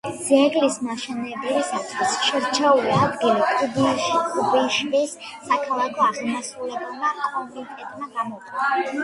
ძეგლის მშენებლობისათვის შერჩეული ადგილი კუიბიშევის საქალაქო აღმასრულებელმა კომიტეტმა გამოყო.